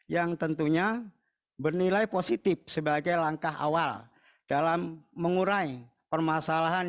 yang tentunya bernilai positif sebagai langkah awal dalam mengurai permasalahan